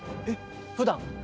えっふだん？